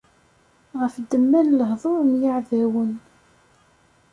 Ɣef ddemma n lehdur n yiɛdawen.